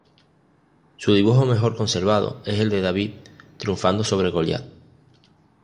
Su dibujo mejor conservado es el de David triunfando sobre Goliat.